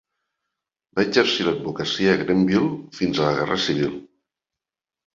Va exercir l'advocacia a Greenville fins la Guerra Civil.